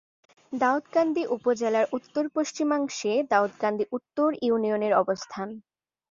দাউদকান্দি উপজেলার উত্তর-পশ্চিমাংশে দাউদকান্দি উত্তর ইউনিয়নের অবস্থান।